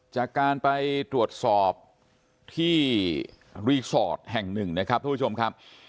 จากการไปตรวจสอบที่รีสอร์ทแห่งหนึ่งนะครับทุกผู้ชมครับ